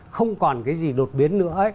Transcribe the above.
không còn cái gì đột biến nữa